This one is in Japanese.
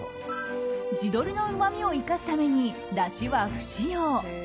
地鶏のうまみを生かすためにだしは不使用。